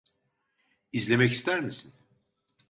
İzlemek ister misin?